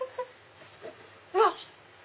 うわっ！